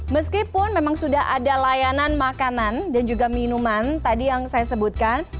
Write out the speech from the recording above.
meskipun memang sudah ada layanan makanan dan juga minuman tadi yang saya sebutkan